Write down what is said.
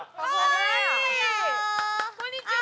こんにちは。